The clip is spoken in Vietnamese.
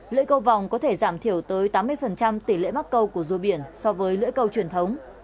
lưỡi cầu vòng có thể giảm thiểu tới tám mươi tỷ lệ mắc câu của rùa biển so với lưỡi câu truyền thống